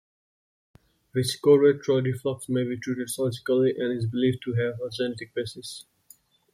Vesicoureteral reflux may be treated surgically, and is believed to have a genetic basis.